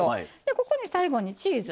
ここに最後にチーズ。